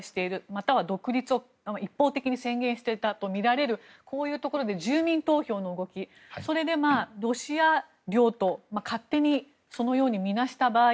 または独立を一方的に宣言したとみられるところで住民投票の動き、それでロシア領と勝手にみなした場合。